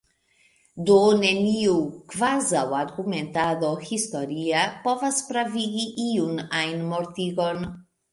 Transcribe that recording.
Do, neniu kvazaŭargumentado historia povas pravigi iun ajn mortigon.